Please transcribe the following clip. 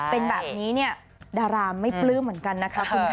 เป็นแบบนี้เนี่ยดาราไม่ปลื้มเหมือนกันนะคะคุณค่ะ